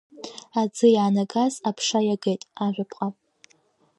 Аӡы иаанагаз, аԥша иагеит ажәаԥҟа…